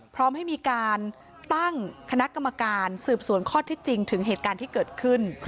พร้อมให้มีการตั้งคณะกรรมการสืบสวนข้อที่จริงถึงเหตุการณ์ที่เกิดขึ้น